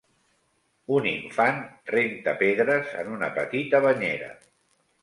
Un infant renta pedres en una petita banyera.